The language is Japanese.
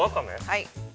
◆はい。